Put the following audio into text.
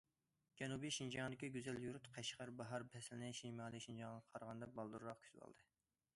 جەنۇبىي شىنجاڭدىكى گۈزەل يۇرت قەشقەر باھار پەسلىنى شىمالىي شىنجاڭغا قارىغاندا بالدۇرراق كۈتۈۋالدى.